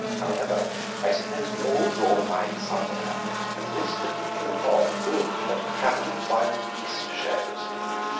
However, I suppose we all draw the line somewhere, and this particular cob drew it at travelling wild beast shows.